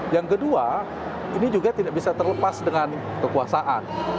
yang kedua ini juga tidak bisa terlepas dengan kekuasaan